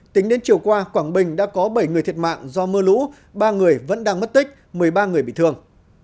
tính đến chiều qua quảng bình đã có bảy người thiệt mạng do mưa lũ ba người vẫn đang mất tích một mươi ba người bị thương